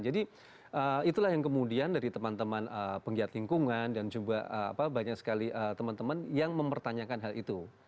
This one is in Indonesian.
jadi itulah yang kemudian dari teman teman penggiat lingkungan dan juga banyak sekali teman teman yang mempertanyakan hal itu